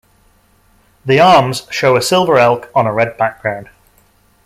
The arms show a silver elk on a red background.